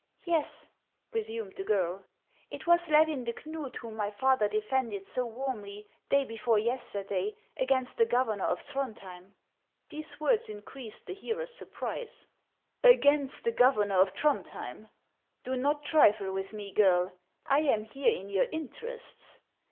" Yes," resumed the girl ;" it was Levin de Knud whom my father defended so warmly, day before yesterday, against the governor of Throndhjem." These words increased her hearer's surprise. " Against the governor of Throndhjem ! Do not trifle with me, girl. I am here in your interests.